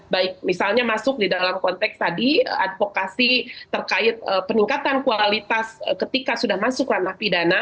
baik misalnya masuk di dalam konteks tadi advokasi terkait peningkatan kualitas ketika sudah masuk ranah pidana